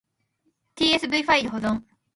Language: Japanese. tsv ファイル保存